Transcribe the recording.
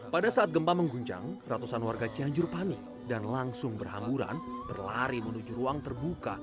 pada saat gempa mengguncang ratusan warga cianjur panik dan langsung berhamburan berlari menuju ruang terbuka